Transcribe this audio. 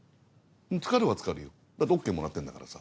つかるはつかるよだってＯＫもらってんだからさ。